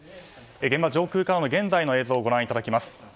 現場上空からの現在の映像をご覧いただきます。